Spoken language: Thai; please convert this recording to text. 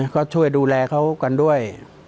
ก็ช่วยดูแลเขากันด้วย